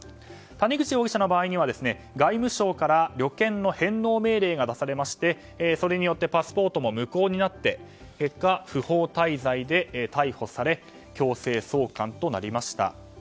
谷口容疑者の場合には外務省から旅券の返納命令が出されてそれによってパスポートも無効になって結果、不法滞在で逮捕され強制送還となりました。